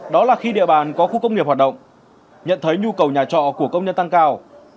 đó là khi địa bàn có khu công nghiệp hoạt động nhận thấy nhu cầu nhà trọ của công nhân tăng cao